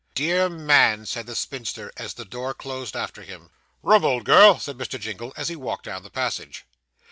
'Dear man!' said the spinster, as the door closed after him. 'Rum old girl,' said Mr. Jingle, as he walked down the passage.